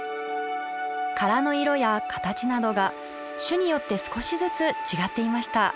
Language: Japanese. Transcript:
殻の色や形などが種によって少しずつ違っていました。